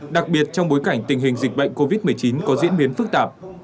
đặc biệt trong bối cảnh tình hình dịch bệnh covid một mươi chín có diễn biến phức tạp